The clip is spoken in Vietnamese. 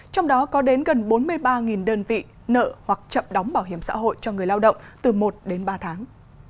trong đó có đến gần bốn mươi ba đơn vị nợ hoặc chậm đóng bảo hiểm xã hội cho người lao động từ một đến ba tháng